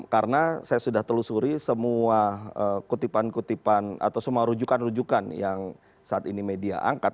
karena saya sudah telusuri semua kutipan kutipan atau semua rujukan rujukan yang saat ini media angkat